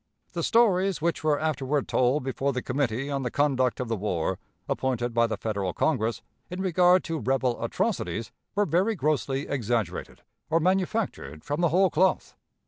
The stories which were afterward told before the Committee on the Conduct of the War (appointed by the Federal Congress), in regard to 'rebel atrocities,' were very grossly exaggerated, or manufactured from the whole cloth....